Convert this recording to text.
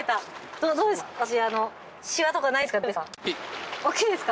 どうですか？